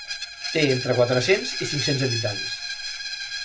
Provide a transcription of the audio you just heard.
Té entre quatre-cents i cinc-cents habitants.